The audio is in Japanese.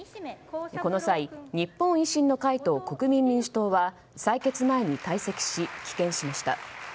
この際、日本維新の会と国民民主党は採決前に退席し棄権しました。